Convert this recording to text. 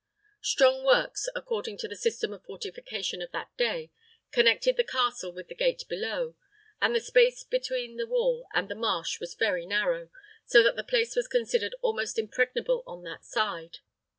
Strong works, according to the system of fortification of that day, connected the castle with the gate below, and the space between the wall and the marsh was very narrow, so that the place was considered almost impregnable on that side.